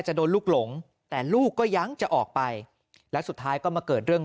จะโดนลูกหลงแต่ลูกก็ยังจะออกไปแล้วสุดท้ายก็มาเกิดเรื่อง